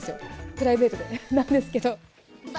プライベートでなんですけど。